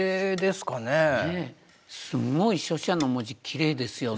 すごい書写の文字きれいですよね。